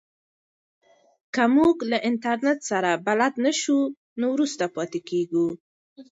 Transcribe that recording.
که موږ له انټرنیټ سره بلد نه سو نو وروسته پاتې کیږو.